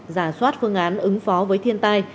giả soát phương án ứng phó với thiên tai